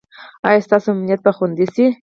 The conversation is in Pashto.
ایا ستاسو امنیت به خوندي شي؟